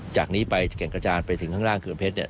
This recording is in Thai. จากนี้ไปจะแก่งกระจานไปถึงข้างล่างเขื่อนเพชรเนี่ย